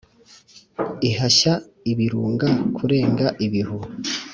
ihashya ibirunga kurenga ibihu